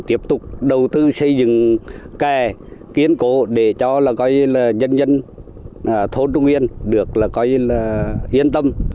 tiếp tục đầu tư xây dựng kè kiến cổ để cho dân dân thôn trung nguyên được yên tâm